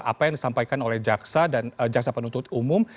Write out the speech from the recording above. apa yang disampaikan oleh jaksa dan jaksa penuntut umum